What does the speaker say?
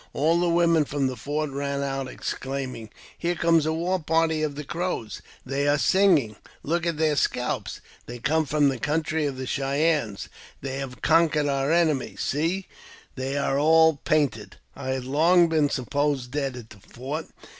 All the women from the fort ran out, exclaiming, " Here comes a war party of the Crows ; they are singing ! Look at their scalps : they come from the country of the Cheyennes ; they have conquered our enemies. See, they are all painted !" I had long been supposed dead at the fort.